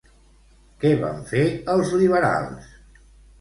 Què van fer els liberals?